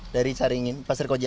dari saringin pasir koja